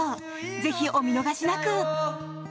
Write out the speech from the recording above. ぜひお見逃しなく！